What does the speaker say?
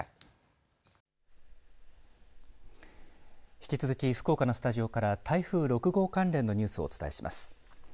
引き続き福岡のスタジオから台風６号関連のニュースをお伝えします。